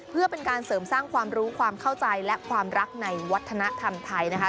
เพื่อเป็นการเสริมสร้างความรู้ความเข้าใจและความรักในวัฒนธรรมไทยนะคะ